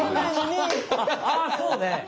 あそうね！